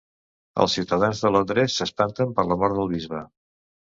Els ciutadans de Londres s'espanten per la mort del Bisbe.